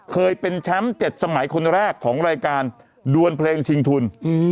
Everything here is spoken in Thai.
เคยเป็นแชมป์๗สมัยคนแรกของรายการดวนเพลงชิงทุน